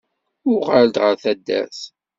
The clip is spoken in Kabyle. Uɣal-d ɣer taddart.